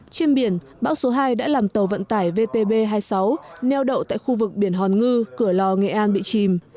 trên biển bão số hai đã làm tàu vận tải vtb hai mươi sáu neo đậu tại khu vực biển hòn ngư cửa lò nghệ an bị chìm